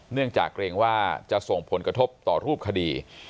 เนื่องจากเกรงว่าจะส่งผลกระทบต่อรูปคดี